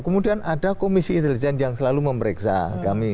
kemudian ada komisi intelijen yang selalu memeriksa kami